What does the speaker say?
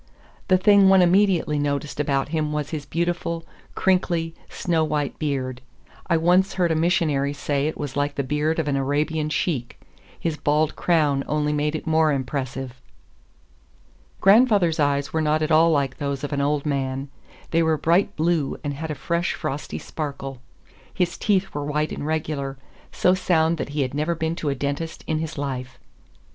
The thing one immediately noticed about him was his beautiful, crinkly, snow white beard. I once heard a missionary say it was like the beard of an Arabian sheik. His bald crown only made it more impressive. Grandfather's eyes were not at all like those of an old man; they were bright blue, and had a fresh, frosty sparkle. His teeth were white and regular—so sound that he had never been to a dentist in his life.